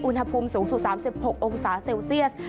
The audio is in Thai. อุณหภูมิสูงสุด๓๖องศาเซลเซียส